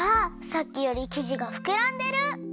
さっきよりきじがふくらんでる。